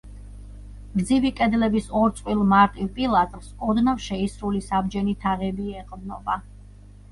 გრძივი კედლების ორ წყვილ მარტივ პილასტრს ოდნავ შეისრული საბჯენი თაღები ეყრდნობა.